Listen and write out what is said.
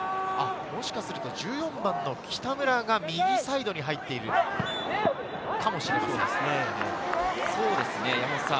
もしかすると１４番の北村が右サイドに入っているのかもしれません。